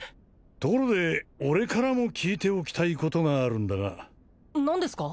ところで俺からも聞いておきたいことがあるんだが何ですか？